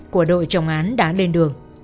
của đội trọng án đã lên đường